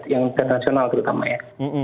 yang internasional terutama ya